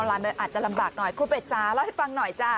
อาจจะลำบากหน่อยครูเป็ดจ๋าเล่าให้ฟังหน่อยจ้ะ